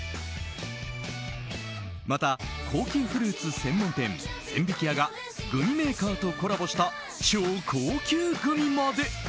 また高級フルーツ専門店、千疋屋がグミメーカーとコラボした超高級グミまで。